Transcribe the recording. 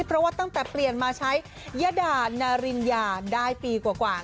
เพราะว่าตั้งแต่เปลี่ยนมาใช้ยดานาริญญาได้ปีกว่า